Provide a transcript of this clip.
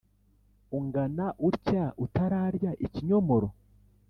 Ungana utya utararya ikinyomoro